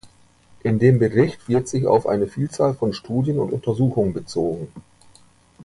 In dem Bericht wird sich auf eine Vielzahl von Studien und Untersuchungen bezogen.